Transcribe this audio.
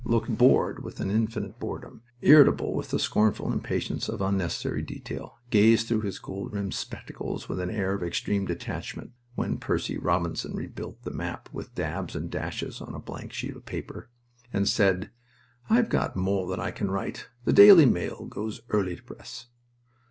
looked bored with an infinite boredom, irritable with a scornful impatience of unnecessary detail, gazed through his gold rimmed spectacles with an air of extreme detachment (when Percy Robinson rebuilt the map with dabs and dashes on a blank sheet of paper), and said, "I've got more than I can write, and The Daily Mail goes early to press."